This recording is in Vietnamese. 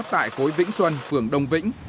tại khối vĩnh xuân phường đông vĩnh